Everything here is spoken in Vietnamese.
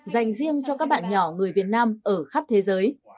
dành riêng cho các bạn nhỏ người việt nam ở khắp thế giới